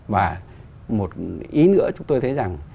và một ý nữa chúng tôi thấy rằng